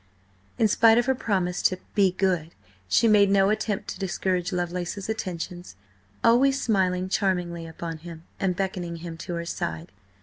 In spite of her promise to "be good," she made no attempt to discourage Lovelace's attentions, always smiling charmingly upon him and beckoning him to her side.